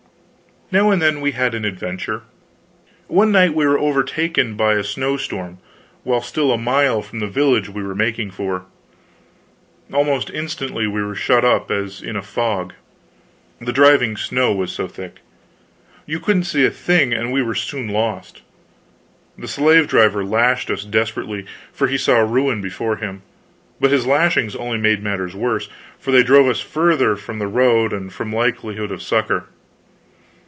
Now and then we had an adventure. One night we were overtaken by a snow storm while still a mile from the village we were making for. Almost instantly we were shut up as in a fog, the driving snow was so thick. You couldn't see a thing, and we were soon lost. The slave driver lashed us desperately, for he saw ruin before him, but his lashings only made matters worse, for they drove us further from the road and from likelihood of succor.